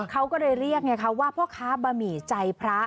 เขาก็เลยเรียกไงคะว่าพ่อค้าบะหมี่ใจพระ